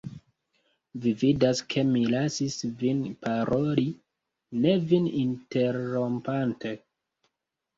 Vi vidas, ke mi lasis vin paroli, ne vin interrompante.